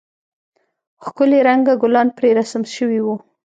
ښکلي رنگه گلان پرې رسم سوي وو.